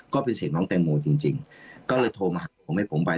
ก็เป็นเสียงน้องแตงโมจริงก็เลยโทรมาผมให้ผมไป